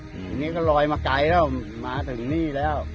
ทีนี้ก็ลอยมาไกลแล้วมาถึงนี่แล้ว